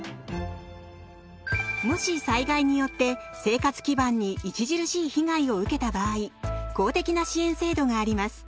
もし災害によって生活基盤に著しい被害を受けた場合公的な支援制度があります。